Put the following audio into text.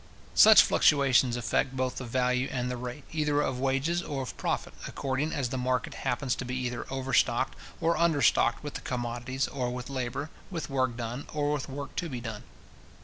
Such fluctuations affect both the value and the rate, either of wages or of profit, according as the market happens to be either overstocked or understocked with commodities or with labour, with work done, or with work to be done.